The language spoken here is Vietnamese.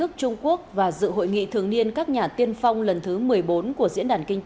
chứ không phải những người dân